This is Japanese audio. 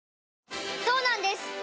そうなんです